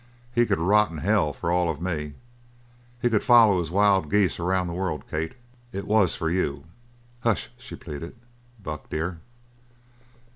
"He could rot in hell for all of me. He could foller his wild geese around the world. Kate, it was for you!" "Hush!" she pleaded. "Buck, dear!"